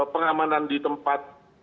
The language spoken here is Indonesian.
pengamanan di tempat